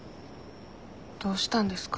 どうしたんですか？